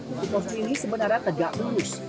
untuk proses ini sebenarnya tegak lurus